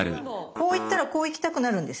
こう行ったらこう行きたくなるんです。